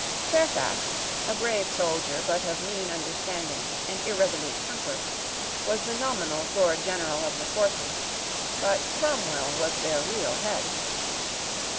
Fairfax, a brave soldier, but of mean understanding and irresolute temper, was the nominal Lord General of the forces; but Cromwell was their real head.